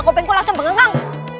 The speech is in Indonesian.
kopengku langsung bengeng